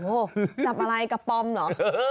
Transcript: โอ้โหจับอะไรกับปอมเหรอ